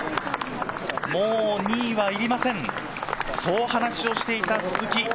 もう２位はいりません、そう話しをしていた鈴木。